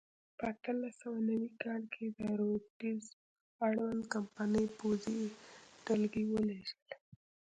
په اتلس سوه نوي کال کې د روډز اړوند کمپنۍ پوځي ډلګۍ ولېږله.